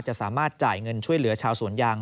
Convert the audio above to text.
จะสามารถจ่ายเงินช่วยเหลือชาวสวนยาง